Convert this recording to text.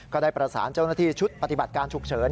ก็ได้ประสานเจ้าหน้าที่ชุดปฏิบัติการฉุกเฉิน